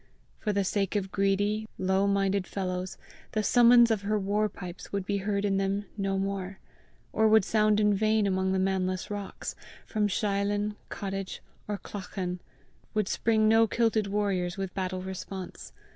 For the sake of greedy, low minded fellows, the summons of her war pipes would be heard in them no more, or would sound in vain among the manless rocks; from sheilin, cottage, or clachan, would spring no kilted warriors with battle response!